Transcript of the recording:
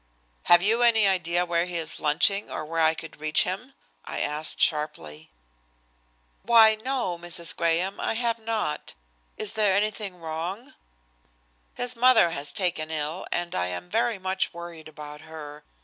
"Have you any idea where he is lunching or where I could reach him?" I asked sharply. "Why! no, Mrs. Graham, I have not. Is there anything wrong?" "His mother has been taken ill and I am very much worried about her.